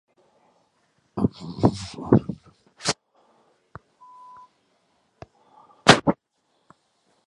It is one of the fastest growing suburbs south of Chicago.